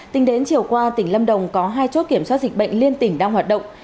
tính đến chiều qua tỉnh lâm đồng có hai chốt kiểm soát dịch bệnh liên tỉnh đang hoạt động